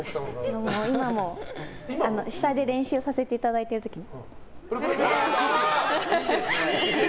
今も、下で練習させていただいてる時も。